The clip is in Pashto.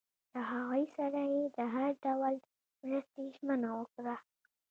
له هغوی سره یې د هر ډول مرستې ژمنه وکړه.